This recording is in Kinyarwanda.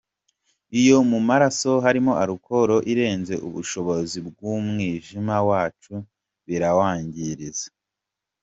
Iyo mu maraso harimo “Alcohol” irenze ubushobozi bw’umwijima wacu birawangiriza.